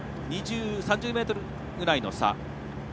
３０ｍぐらいの差。